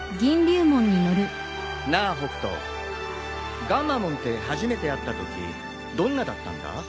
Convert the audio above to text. なあ北斗ガンマモンって初めて会ったときどんなだったんだ？